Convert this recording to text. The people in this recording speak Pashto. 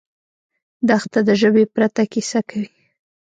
دښته د ژبې پرته کیسه کوي.